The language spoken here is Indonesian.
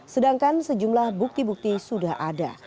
sedangkan sejumlah bukti bukti sudah ada